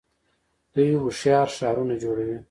دوی هوښیار ښارونه جوړوي.